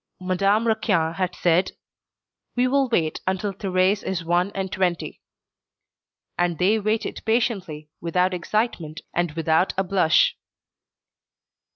Madame Raquin had said: "We will wait until Thérèse is one and twenty." And they waited patiently, without excitement, and without a blush.